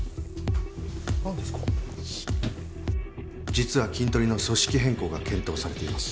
実はキントリの組織変更が検討されています。